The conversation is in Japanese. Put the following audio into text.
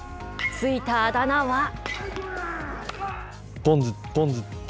ついたあだ名は。